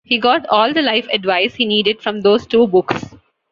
He got all the life advice he needed from those two books.